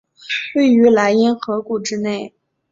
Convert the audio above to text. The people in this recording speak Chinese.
位于莱茵河谷之内。